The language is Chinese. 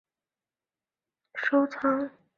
另外有一部份被外国博物馆收藏。